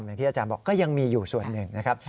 อย่างที่อาจารย์บอกก็ยังมีอยู่ส่วนหนึ่งนะครับ